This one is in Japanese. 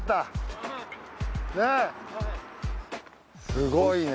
すごいね。